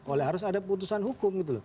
oleh harus ada putusan hukum